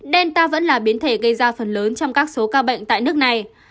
delta vẫn là biến thể gây ra phần lớn trong các số ca bệnh tại nước này